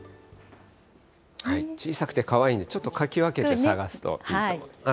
小さくてかわいいので、ちょっとかき分けて探すといいと思います。